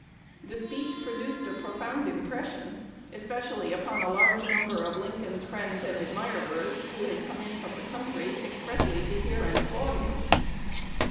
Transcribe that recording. "The speech" produced a profound impression, "especially upon a large number of Lincoln's friends and admirers, who had come in from the country" expressly to hear and applaud him.